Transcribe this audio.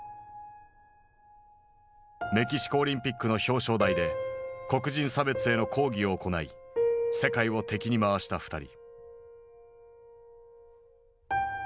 メキシコオリンピックの表彰台で黒人差別への抗議を行い世界を敵に回した２人。